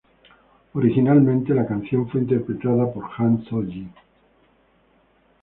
Originalmente, la canción fue interpretada por Han Soo-ji.